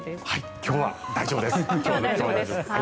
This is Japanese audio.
今日は大丈夫です。